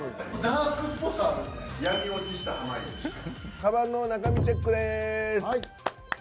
かばんの中身チェックです。